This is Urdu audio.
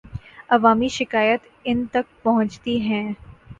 عوامی شکایات ان تک پہنچتی ہیں۔